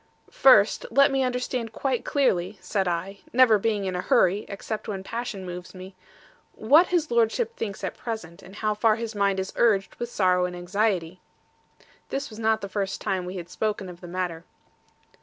'First let me understand quite clearly,' said I, never being in a hurry, except when passion moves me, 'what his lordship thinks at present; and how far his mind is urged with sorrow and anxiety.' This was not the first time we had spoken of the matter.